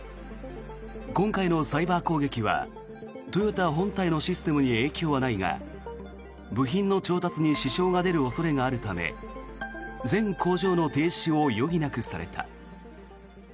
今回のサイバー攻撃はトヨタ本体のシステムに影響はないが部品の調達に支障が出る恐れがあるため全工場の停止を余儀なくされた。